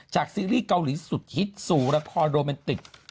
ซีรีส์เกาหลีสุดฮิตสู่ละครโรแมนติก